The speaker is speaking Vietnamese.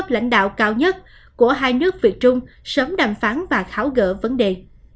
lãnh đạo cao nhất của hai nước việt trung sớm đàm phán và tháo gỡ vấn đề